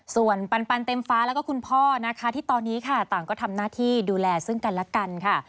ส่วนปันเต็มฟ้าแล้วก็คุณพ่อนะคะที่ตอนนี้ค่ะต่างก็ทำหน้าที่ดูแลซึ่งกันและกันค่ะ